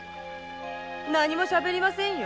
何もしゃべりませんよ！